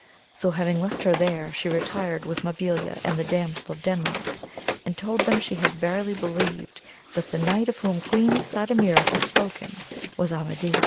So having left AMAJDIS OF GAUL. 17 her there she retired with Mabilia and the Damsel of Denmark, and told them she verily believed that the knight of whom Queen Sardamira had spoken, was Amadis.